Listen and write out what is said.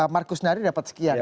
markus nari dapat sekian